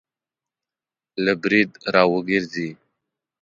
له برید را وګرځي